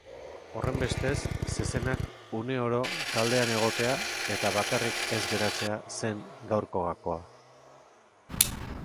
Horrenbestez, zezenak uneoro taldean egotea eta bakarrik ez geratzea zen gaurko gakoa.